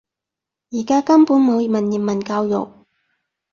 而家根本冇文言文教育